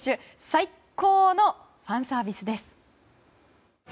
最高のファンサービスです。